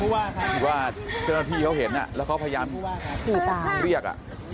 เพราะว่าเจ้าหน้าที่เขาเห็นแล้วเขาพยายามเรียกอ่ะ